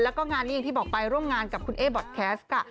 แล้วก็งานนี้อย่างที่บอกไปร่วมงานกับคุณเอ๊บอดแคสต์ค่ะ